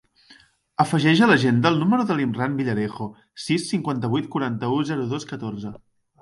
Afegeix a l'agenda el número de l'Imran Villarejo: sis, cinquanta-vuit, quaranta-u, zero, dos, catorze.